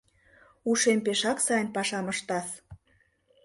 Ушем пешак сайын пашам ыштас.